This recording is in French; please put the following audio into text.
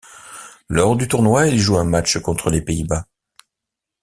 Lors du tournoi, il joue un match contre les Pays-Bas.